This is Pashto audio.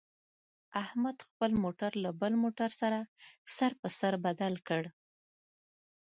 احمد خپل موټر له بل موټر سره سر په سر بدل کړ.